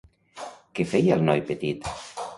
Què feia el noi petit?